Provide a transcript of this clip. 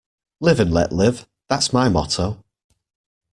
Live and let live, that's my motto.